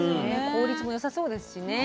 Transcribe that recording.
効率も良さそうですしね。